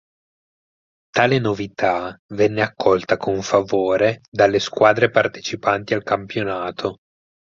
Tale novità venne accolta con favore dalle squadre partecipanti al campionato.